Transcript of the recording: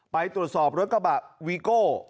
ไปตรวจสอบรถกระบะวีโก้